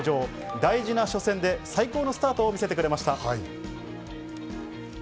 大事な初戦で最高のスタートを見せてくれました。